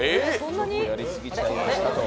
ちょっとやりすぎちゃいました。